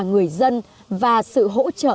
người dân và sự hỗ trợ